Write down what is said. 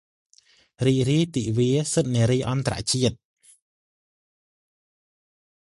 រីករាយទិវាសិទ្ធិនារីអន្តរជាតិ!